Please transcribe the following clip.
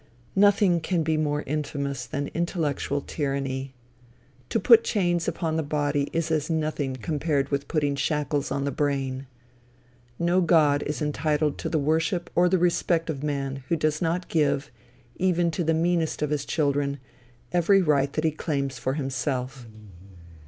Nothing can be more infamous than intellectual tyranny. To put chains upon the body is as nothing compared with putting shackles on the brain. No god is entitled to the worship or the respect of man who does not give, even to the meanest of his children, every right that he claims for himself.